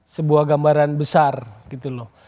sebuah gambaran besar gitu loh